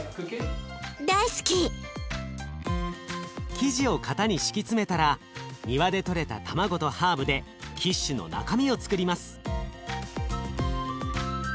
生地を型に敷き詰めたら庭でとれた卵とハーブでキッシュの中身をつくります。